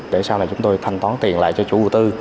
để sau này chúng tôi thanh toán tiền lại cho chủ đầu tư